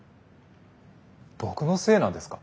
僕のせいなんですか？